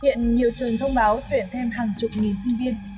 hiện nhiều trường thông báo tuyển thêm hàng chục nghìn sinh viên